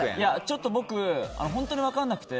ちょっと僕本当に分からなくて。